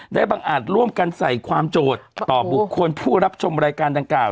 บังอาจร่วมกันใส่ความโจทย์ต่อบุคคลผู้รับชมรายการดังกล่าว